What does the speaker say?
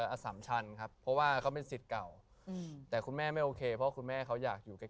อสามชันครับเพราะว่าเขาเป็นสิทธิ์เก่าแต่คุณแม่ไม่โอเคเพราะคุณแม่เขาอยากอยู่ใกล้